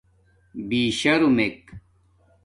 بِشرمک